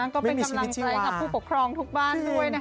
ก็จะกำลังใจกับผู้ปกครองทุกบ้านด้วย